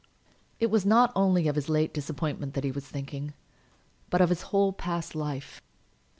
It was not only of his late disappointment that he was thinking, but of his whole past life.